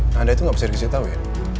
nah anda itu gak bisa dikasih tau ya